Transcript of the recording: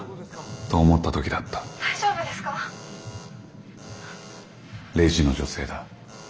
「大丈夫ですか？」。レジの女性だ。